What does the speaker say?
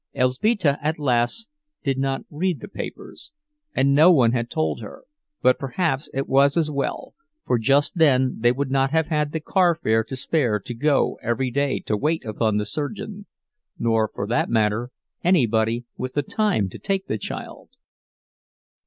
Elzbieta, alas, did not read the papers, and no one had told her; but perhaps it was as well, for just then they would not have had the carfare to spare to go every day to wait upon the surgeon, nor for that matter anybody with the time to take the child.